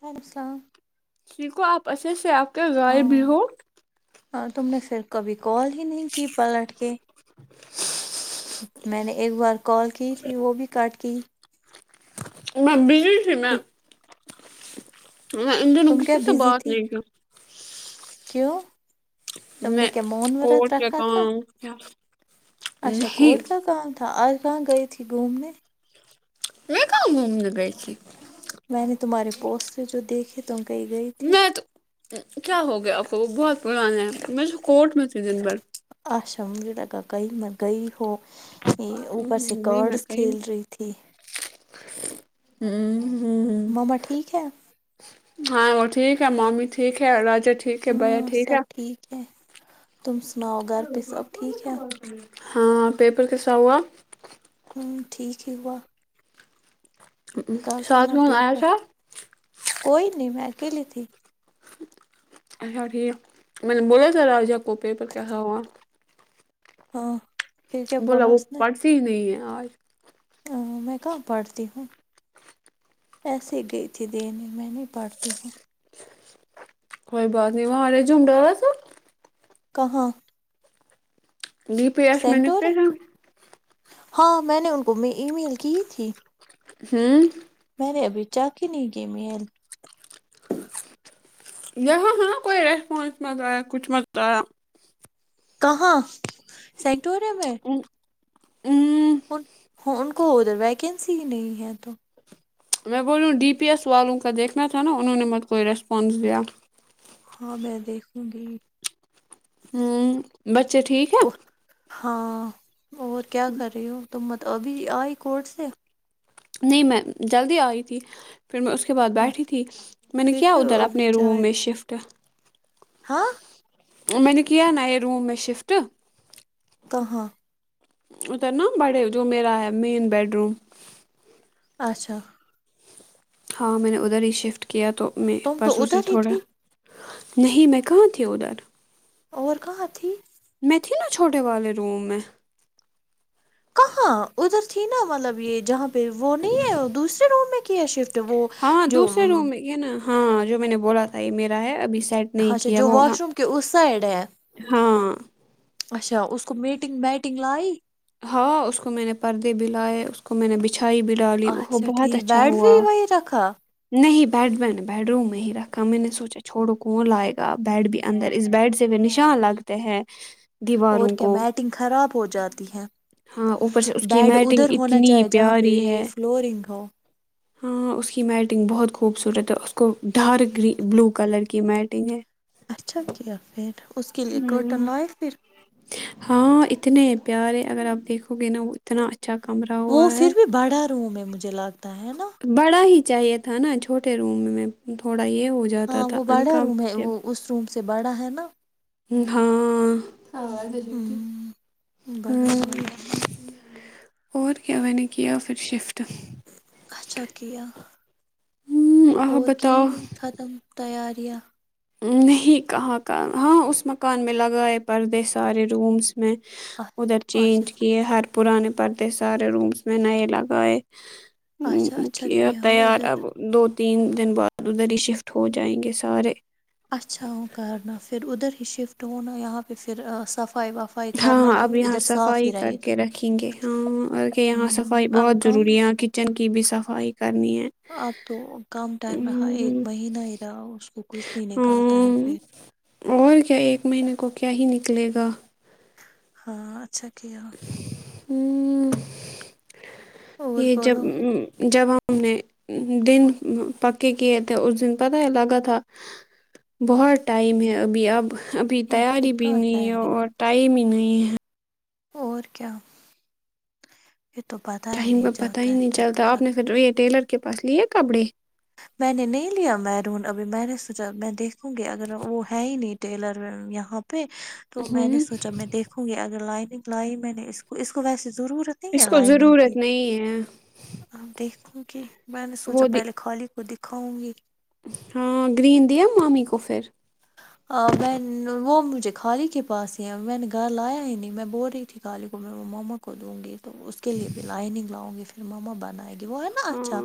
والو سلام سیکو آپ اچھے سے آپ تو غائب ہی بو ہاں تم نے پھر کبھی کال ہی نہیں کی پلٹ کے [inaudible] میں نے ایک بار کال کی تھی وہ بھی کٹ کی میں بزی تھی میں پھر میں ان دنوں تم کیا کسی سے بزی بات تھی نہیں کی کیوں تم نے میں کیا مون ورت کوٹ کے رکھا تھا [unintelligible] اچھا کورٹ نہیں کا کام تھا آج کہاں گئی تھی گھومنے میں کہاں گھومنے گئ تھی میں نے تمہارے پوسٹ سے جو دیکھے تم کہیں گئی تھی میں تو کیا ہو گیا آپ کو وہ بہت پرانے ہے میں تو کوٹ میں تھی دن بھر اچھا مجھے لگا کہیں نہ گئی ہو یہ اوپر سےکارڈس کھیل رہی تھی ہوں مما ٹھیک ہے ہاں وہ ٹھیک ہے ممی ٹھیک ہے راجا ٹھیک ہے بھیا ہاں ٹھیک سب ہے ٹھیک ہے تم سناؤ گھر پے سب ٹھیک ہے ہاں پیپر کیسا ہوا ہوں ٹھیک ہی ہوا کل تھا ساتھ نا کون آیا پیپر تھا کوئی نہیں میں اکیلی تھی اچھا ٹھیک میں نے بولا تھا راجا کو پیپر کیسا ہوا ہاں پھر کیا بولا وہ اس نے پڑھتی ہی نہیں ہیں یار میں کہاں پڑھتی ہوں ایسے گئی تھی دینے میں نہیں پڑھتی ہوں کوئی بات نہیں وہاں ریزیوم ڈالا تھا کہاں جی پی ایس میں سینٹور لکھتے ہیں ہاں میں نے ان کو میں ای میل کی تھی ہوں میں نے ابھی چیک ہی نہیں کی میل یہاں ہے کوئی ریسپانس میں آیا کچھ میں آیا کہاں سیکٹورم میں اوں ہوں وہ ان کو ادھر ویکینسی ہی نہیں ہے تو میں بولوں ڈی پی ایس والوں کا دیکھنا تھا نا انہوں نے مت کوئی ریسپانس دیا ہاں میں دیکھوں گی ہوں بچے ٹھیک ہیں ہاں اور کیا کر رہی ہو تم مت ابھی آئی کورٹ سے نہیں میں جلدی آئی تھی پھر میں اس کے بعد ہاں بیٹھی تھی میں نے پھر کیا کیوں ادھر ابھی اپنے روم چائے میں شفٹ ہاں میں نےکیا نا یہ روم میں شفٹ کہاں ادھر نا بڑے جو میرا ہے مین بیڈ روم اچھا ہاں میں نے ادھر ہی شفٹ کیا تو میں تم تو پرسوں سے ادھر ہی تھوڑا تھی نہیں میں کہاں تھی ادھر اور کہاں تھی میں تھی نا چھوٹے والے روم میں کہاں ادھر تھی نا مطلب یہ جہاں پہ پھر وہ نہیں ہے دوسرے روم میں کیا شفٹ وہ ہاں جو دوسرے ہوں روم میں یہ نا ہاں جو میں نے بولا تھا یہ میرا ہے ابھی سیٹ نہیں اچھا کیا جو وہ ہاں واش روم کے اس سائڈ ہے ہاں اچھا اس کو میٹنگ میاٹنگ لائی ہاں اس کو میں نے پردے بھی لائے کو میں نے بچھائی بھی ڈالی وہ اچھا بہت ٹھیک اچھا بیڈ ہوا بھی وہی رکھا نہیں بیڈ میں نے بیڈروم میں ہی رکھا میں نے سوچا چھوڑو کون لائے گا بیڈ بھی اندر اس بیڈ سے وہ نشان لگتے ہیں اور دیواروں کیا کو میاٹنگ خراب ہو جاتی ہے ہاں اوپر سے اس کی بیڈ میٹنگ ادھر ہونا اتنی چاہے جہاں پہ پیاری یہ ہے فلورنگ ہو ہاں اس کی میٹنگ بہت خوبصورت ہے اس کو ڈارک گ بلو کلر کی میٹنگ ہے اچھا کیا پھر اس کے لیے کرٹن ہوں لائے پھر ہاں اتنے پیارے اگر آپ دیکھو گے نا اتنا اچھا کمرہ وہ ہوا ہے پھر بھی بڑا روم میں مجھے لگتا ہے نا بڑا ہی چاہیے تھا نا چھوٹے روم میں تھوڑا یہ ہو جاتا ہاں تھا وہ بڑا انکمف روم ہے وہ اس روم سے بڑا ہے نا ہاں ہوں بڑا روم ہے، اور کیا میں نے کیا پھر شفٹ ہ اچھا کیا آپ اور کی بتاؤ ختم تیاریاں نہیں کہاں کا ہاں اس مکان میں لگائے پردے سارے رومس میں ادھر اچھا چینج یہ ہر پرانے پردے سارے رومس میں نئے لگائے ام اچھا م اچھا کی اب کیا ہو تیار ادھر اب دو تین دن بعد ادھر ہی شفٹ ہو جائیں گے سارے اچھا وہ کرنا پھر ادھر ہی شفٹ ہونا یہاں پہ پھر صفائی وف ہاں اب یہاں صفائی کر کے رکھیں گے ہاںک یہاں ہوں صفائی بہت آپ کم ضروری ہی، ہے یہ ک کچن کی بھی صفائی کرنی ہے اب تو کم ٹائم رہا ایک ہوں، مہینہ ہی رہا اس کو کچھ نہیں نکالتا ہے پھر اور کیا ایک مہینے کو کیا ہی نکلے گا ہاں اچھا کیا ہوں اور یہ جب بولو جب ہوں ہم ہم نے دن پکے کیے تھے اس دن پتہ ہے لگا تھا بہت ٹائم ہے ابھی اب ابھی اور پھر تیاری بھی کہاں نہیں ہے ٹائم اور ٹائم ہی نہیں ہے اور کیا یہ تو پتہ ٹائم کا پتہ ہی نہیں چلتا آپ نے پھر یہ ٹیلر کے پاس لیے کپڑے میں نے نہیں لیا میرون ابھی میں نے سوچا میں دیکھوں گی اگر وہ ہے ہی نہیں ٹیلر یہاں پہ تو میں نے ہوں سوچا میں دیکھوں گی اگر لائنگ لائی میں نے اس کو اس کو ویسی ضرورت نہیں اس کو ضرورت نہیں ہے اپ دیکھوں گی میں نے سوچا وہ دی- پہلے خالی کو دکھاؤں گی ہاں گرین دیا مامی کو پھر آں میں نن وہ مجھے خالی کے پاس ہی میں نے گھر لایا ہی نہیں میں بول رہی تھی خالی کو میں مما کو دونگی تو اس کے لیے بھی لائنگ لاؤ گی پھر مما بنائے گی وہ ہے نا اچھا ہاں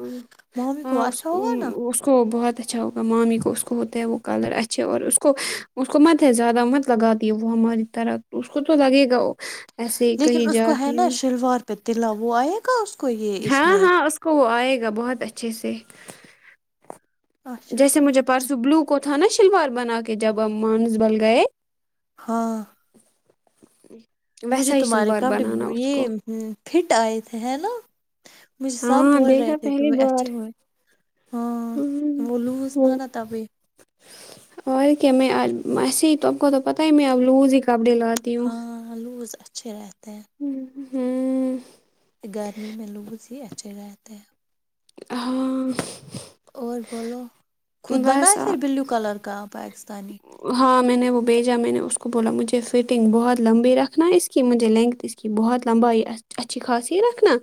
ممی کو ہاں اس اچھا ہوگا نا اس کو بہت اچھا ہوگا مامی کو اس کو ہوتے ہیں وہ کلر اچھے اور اس کو اس کو مت ہے زیادہ مت لگا دیے وہ ہماری طرح اس کو تو لگے گا وہ ایسے ہی کہیں لیکن اس کو ہے جاتی نا شلوار پہ تلا وہ آئے گا اس کو یہ اس ہاں میں ہاں اس کو وہ آئے گا بہت اچھے سے اچھا جیسے مجھے ٹھیک ہے پرسوں بلو کو تھا نا شلوار بنا کے جب ہم مانسبل گئے ہاں ا [inaudible] مجھے تمہارے کپڑے یہ فٹ آئے تھے ہے نا مجھے سب ہاں بول دیکھا رہے تھے تو پہلی وہ اچھے بار ہوئے ہاں ہوں وہ لوس وہ تھا نا تبھی اور ہے کے میں آج ایسے ہی تم کو تو پتہ ہے میں اب لوز ہی کپڑے لا ہاں لوز اچھے رہتے ہیں ہوں ہوں گرمی میں لوز ہی اچھے رہتے ہاں اور بولو خود بنا بس پھر بلیو کلر کا پاکستانی ہاں میں نے وہ بھیجا میں نے اس کو بولا مجھے فٹنگ بہت لمبی رکھنا ہے اس کی مجھے لینتھ اس کہ بہت لمبائی اچھی خاصی رکھنا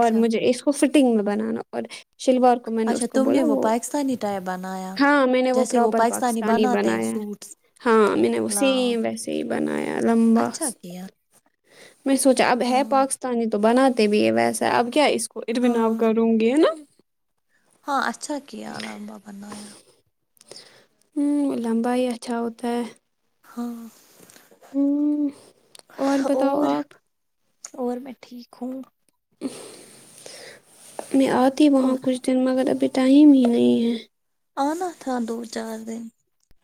اور مجھے اس کو فٹنگ میں بنانا اور شلوار میں نے اچھا اس کو تم بولا وہ پاکستانی ٹائپ بنایا ہاں میں نے وہ جیسے پروپر پاکستانی بناتے ہیں بنایا ہے سوٹس ہاں میں نے وہ لا سیم ویسے ہی بنایا لمبا اچھا کیا میں سوچا اب ہے ہاں پاکستانی تو بناتے بھی یہ ویسا ہے اب کیا اس کو اروین آب ہاں کروں گی ہے نا ہاں اچھا کیا لمبا بنایا ہوں لمبا ہی اچھا ہوتا ہے ہاں ہ بتاؤ اور آپ اور میں ٹھیک ہوں میں آتی وہاں اور کچھ دن مگر ابھی ٹائم ہی نہیں ہے آنا تھا دو چار دن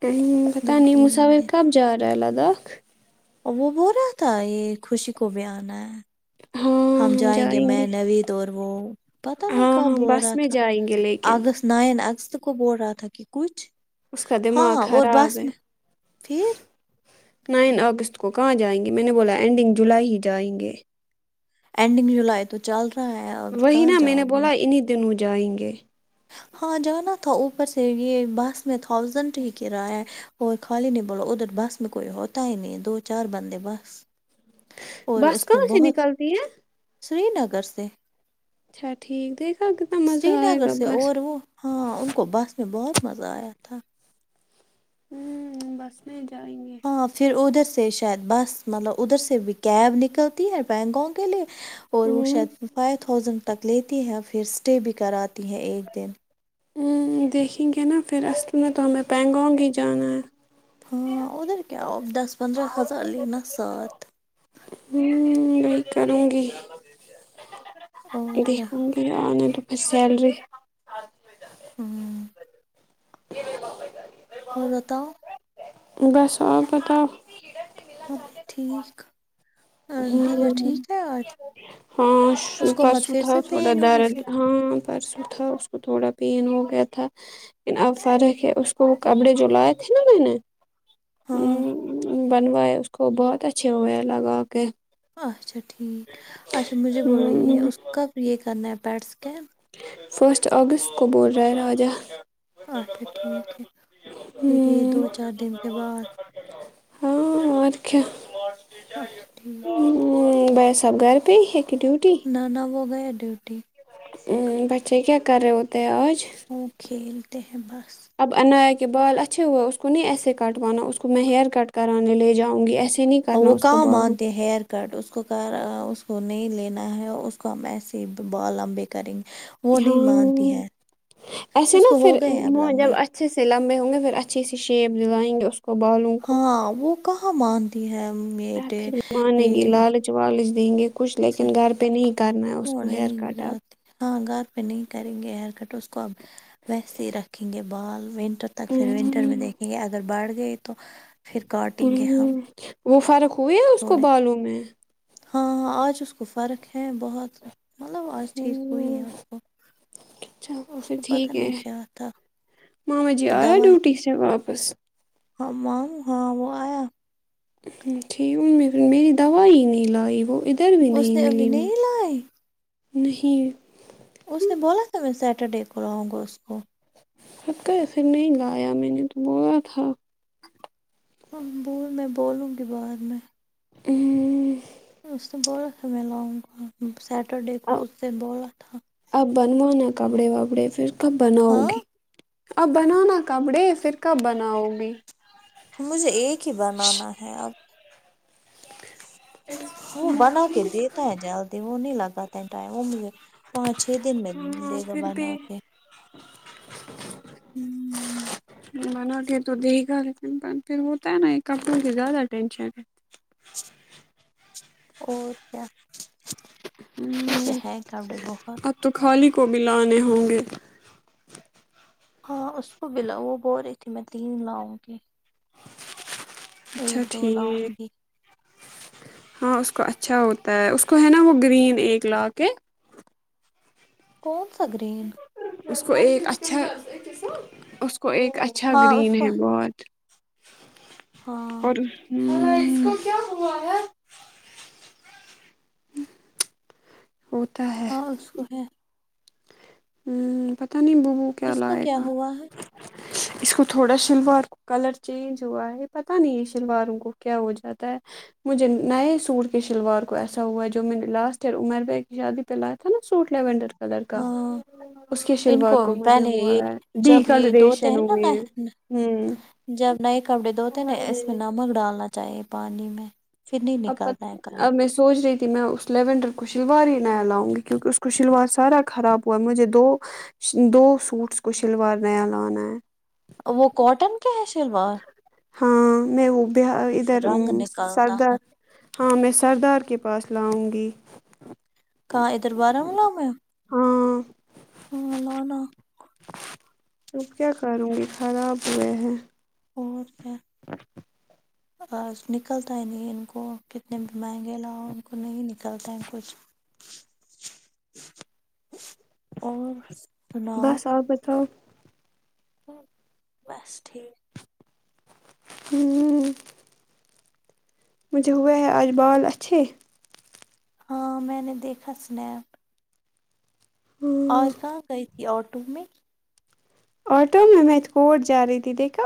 کہیں مجھے پتہ دو نہیں تین مساور دن کب جارہا ہے لداخ اور وہ بول رہا تھا یہ خوشی کو بھی آنا ہے ہم جائیں گے میں نوید اور وہ پتا نہیں کب ہو رہا پھر تھا جائیں گے لیکن اگست نائن اگست کو بول رہا تھا کہ کچھ اس کا دماغ ہاں اور خراب بس ہے میں پھر نائن اگست کو کہاں جائیں گے میں نے بولا اینڈنگ جولائی ہی جائیں گے اینڈنگ جولائی تو چل رہا ہے اب وہی کہاں نا میں جاؤ نے گے بولا انہیں دنوں جائیں گے ہاں جانا تھا اوپر سے یہ بس میں تھاؤزینڈ ہی کرایہ اور خالی نہیں بولو ادھر بس میں کوئی ہوتا ہی نہیں دو چار بندے بس اور بس اس میں کہاں سے بہت نکلتی ہے سری نگر سے اچھا ٹھیک کتنا مزہ سری آئے نگر گا سے بس اور وہ ہاں ان کو بس میں بہت مزہ آیا تھا ہوں بس میں جائیں گے ہاں پھر ادھر سے شاید بس مطلب ادھر سے بھی کیب نکلتی ہے بینکانگ کے لیے اور ہ وہ شاید فائیو تھاؤزینڈ تک لیتی ہے فیس اسٹے بھی کراتی ہیں ایک دن دیکھیں گے نا پھر اصل میں تو ہمیں پینگانگ ہی جانا ہے ہاں ادھر کیا اور دس پندرہ ہزار لینا ساتھ ہوں وہی کروں گی اور کیا دیکھوں گی آنے تو پهر سیلری ہوں جے باپاری [inaudible] اور بتاؤ بس آپ بتاؤ اب ٹھیک ہ ٹیچر ٹھیک ہے آج ہاں اس کو مت پرسوں پھر تھا سے تھوڑا پین ہوئی درد پھر ہاں پرسوں تھا اس کو تھوڑا پین ہو گیا تھا لیکن اب فرق ہے اس کو وہ کپڑے جو لائے تھے نا میں نے ہاں ہوں بنوائے اس کو بہت اچھے ہوئے لگا کے اچھا ٹھیک اچھا مجھے بولو یہ ہ اس کب یہ کرنا ہے پیٹ اسکین فرسٹ اگست کو بول رہا ہے راجہ اچھا ٹھیک ہے پھر یہ ہم، دو چار دن کے بعد ہاں اور کیا اچھا ٹھیک نہی بھائی صاحب گھر پے ہے کیا ڈیوٹی نہ نہ وہ گیۓ ڈیوٹی ا بچے کیا کر رہے ہوتے آج وہ کھیلتے ہیں بس اب انایا کے بال اچھے ہوے اس کو نہیں ایسے کٹوانا اس کو میں ہیر کٹ کرانے لے جاؤں گی ایسے نہیں کرنا وہ اس کو کہاں بالوں مانتے ہیر کٹ اس کو کر اس کو نہیں لینا ہے اس کو ہم ایسے ہی تو بال لمبے کریں گے وہ نہیں مانتی ہاں ہے ایسے اس نا کو ہو پھر گئے ہیں اب وہ جب لمبے اچھے سے لمبے ہوں گے پھر اچھی سے شیپ دلائیں گے اس کو بالوں کو ہاں وہ کہاں مانتی ہے میٹ یہ چ والج دیں گے کچھ لیکن گھر پہ نہیں کرنا ہے اس وہ کو ہیئر نہیں کٹ اب جاتے ہاں گھر پہ نہیں کریں گے ہیئر کٹ اس کو اب ویسے ہی رکھیں گے بال و نٹر تک پھر ونٹر میں ہم۔ دیکھیں گے اگر بڑھ گئی تو پھر کاٹیں گے ہم ہوں وہ فرق ہوئے ہے اس کو تھوڑے بالوں میں ہاں ہاں آج اس کو فرق ہے بہت مطلب آج ٹھیک ہوئی ہے ہوں اس کو اچھا اس پھر کو پتا ٹھیک ہے نہیں کیا تھا ماما جی وہ آیا ہے دوائیں ڈیوٹی سے واپس ہاں مام ہاں وہ آیا ه ٹھیک م میری دوائی ہی نہیں لائی وہ ادھر بھی اس نہیں نے ابھی ملی نہیں لائے نہیں اس نے بولا تھا میں سیٹرڈے کو لاؤں گا اس کو خب کا خر نہیں گایا میں نے تو بولا تھا ہاں بول میں بولوں گی بعد میں ا ہوں اس سے بولا تھا میں لاگوں کو سیٹرڈے کو اب اس نے بولا تھا اب بنواؤنا کپڑے وپڑے پھر کب بناؤ ہاں گی اب بنانا کپڑے پھر کب بناؤ گی مجھے ایک ہی بنانا ہے اب ایکس وہ بنا کے دیتا ہے جلدی وہ نہیں لگاتا ہیں ٹائم امید ہے پانچ چھ دن میں دے ہاں دے گا پھر بنا کے [inaudible] ہوں بنا کے تو دے گا لیکن پھر ہوتا ہے نا ایک کپڑوں کی زیادہ ٹینشن ہے اور کیا کیونکے ہوں، ہے کپڑے بہت اب تو خالی کو بھی لانے ہوں گے ہاں اس کو بھی لاؤ وہ بول رہی تھی میں تین لاؤں گی اچھا ایک دو لاؤں ٹھیک گی ہاں اس کو اچھا ہوتا ہے اس کو ہے نا وہ گرین ایک لا کے کونسا گرین اس کو ایک اچھا اس کو ایک ا چھا ہاں گرین اس کو ہے بہت ہاں اور ہوں اسکو کیا ہوا ہے ه ہوتا ہے ہاں اس کو ہے ہوں پتہ نہیں ببو کیا کس کو لائے گا ہوا ہے اس کو تھوڑا شلوار کلر چینج ہوا ہے پتہ نہیں ہے شلواروں کو کیا ہو جاتا ہے مجھے نئے سوٹ کے شلوار کو ایسا ہوا جو میں نے لاسٹ ئیر عمر بھائی کی شادی پہ لائے تھا نا سوٹ لیونڈر کلر کا ہاں اس کے ان شلوار کو مجھے پہلے ہوا یہ ہے جب یہ دھوتے ڈیکلریشن ہیں ہوئی نا ہے نی ہوں جب نئے کپڑے دھوتے نا اس میں نمک ڈالنا چاہیے پانی میں پھر نہیں اب پت نکلتا ہے اب میں کلر اس سوچ رہی تھی میں اس لیونڈر کو شلوار ہی نیا لاؤں گی کیونکہ اس کو شلوار سارا خراب ہوا ہے مجھے دو دو سوٹس کو شلوار نیا لانا ہے وہ کاٹن کے ہے شلوار ہاں میں وہ بہا ادھر پھر رنگ نکلتا ہے سردار ہاں میں سردار کے پاس لاؤں گی کہاں ادھر بارامولہ میں ہاں ه نہ نہ تب کیا کروں گی خراب ہوئے ہے اور کیا اج نکلتا ہے نہیں ان کو کتنے بھی مہنگے لاؤ ان کو نہیں نکلتا ہے کچھ اور سناؤ تو بس ٹھیک ہوں مجھے ہوئے ہے آج بال اچھے ہاں میں نے دیکھا سنیپ ہ آج کہا گتی تھی آٹو میں آٹو میں میں تو کوٹ جا رہی تھی دیکھا